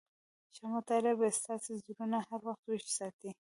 ښه مطالعه به ستاسي زړونه هر وخت ويښ ساتي.